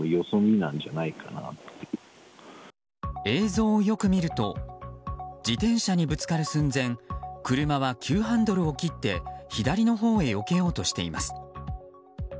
映像をよく見ると自転車にぶつかる寸前車は急ハンドルを切って左のほうへよけようとしています。